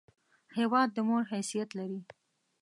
هېواد د مور حیثیت لري!